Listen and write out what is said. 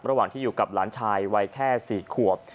ระหว่างที่อยู่กับหลานชายวัยแค่๔ขวบ